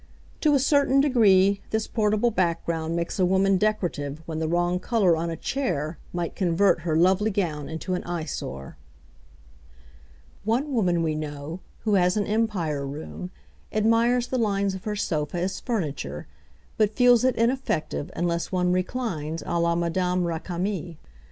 To a certain degree, this portable background makes a woman decorative when the wrong colour on a chair might convert her lovely gown into an eyesore. One woman we know, who has an Empire room, admires the lines of her sofa as furniture, but feels it ineffective unless one reclines á la Mme. Récamier.